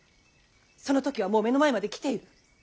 その時はもう目の前まで来ている。